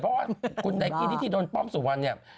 เพราะว่าคุณไนกี้ที่โดนป้อมสู่วันเนี่ย